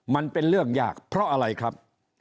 มันเป็นเรื่องยากเพราะอะไรครับ